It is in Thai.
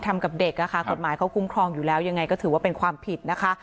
ทำกับเด็กนะคะกฎหมายเขาคุ้มครองอยู่แล้วยังไงก็ถือว่าเป็นความผิดนะคะ